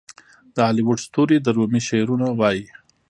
د هالیووډ ستوري د رومي شعرونه وايي.